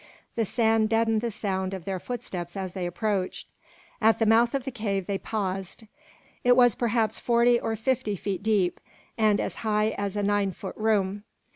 The sand deadened the sound of their footsteps as they approached. At the mouth of the cave they paused. It was perhaps forty or fifty feet deep, and as high as a nine foot room.